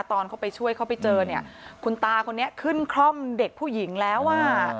ตอนเข้าไปช่วยเขาไปเจอเนี่ยคุณตาคนนี้ขึ้นคล่อมเด็กผู้หญิงแล้วอ่ะ